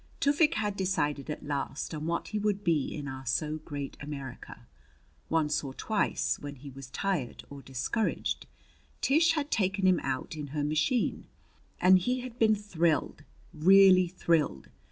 Tufik had decided at last on what he would be in our so great America. Once or twice, when he was tired or discouraged, Tish had taken him out in her machine, and he had been thrilled really thrilled.